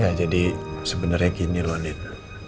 ya jadi sebenarnya gini loh itu